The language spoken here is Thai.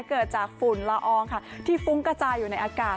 เกิดจากฝุ่นละอองค่ะที่ฟุ้งกระจายอยู่ในอากาศ